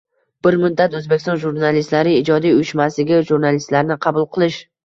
Bir muddat O'zbekiston jurnalistlari ijodiy uyushmasiga jurnalistlarni qabul qilish